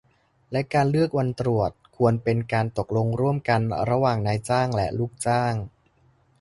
และการเลือกวันตรวจ ควรเป็นการตกลงร่วมกัน ระหว่างนายจ้างและลูกจ้าง